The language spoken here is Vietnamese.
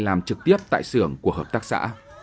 làm trực tiếp tại xưởng của hợp tác xã